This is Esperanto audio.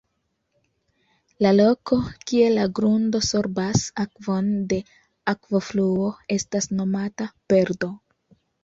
La loko, kie la grundo sorbas akvon de akvofluo estas nomata "perdo".